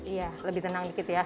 iya lebih tenang dikit ya